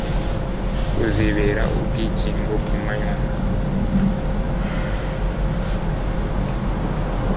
buzibera ubwikingo ku manywa